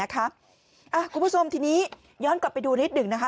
คุณผู้ชมทีนี้ย้อนกลับไปดูนิดหนึ่งนะคะ